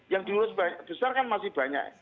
yang diurus besar kan masih banyak